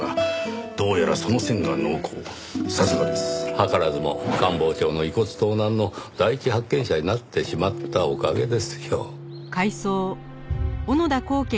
図らずも官房長の遺骨盗難の第一発見者になってしまったおかげですよ。